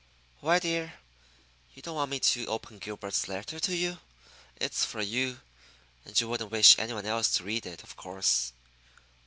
"Why, dear, you don't want me to open Gilbert's letter to you? It's for you, and you wouldn't wish any one else to read it, of course!"